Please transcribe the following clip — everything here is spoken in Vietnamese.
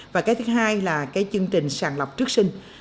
và cái thứ hai là chương trình sàn lọc trước sinh